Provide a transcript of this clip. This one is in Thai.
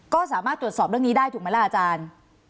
ก็สามารถตรวจสอบเรื่องนี้ได้ถูกไหมล่ะอาจารย์